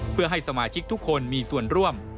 เพื่อให้สมาชิกทุกคนมีส่วนร่วม